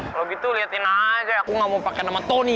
kalau gitu liatin aja aku gak mau pakai nama tony